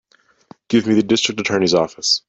Give me the District Attorney's office.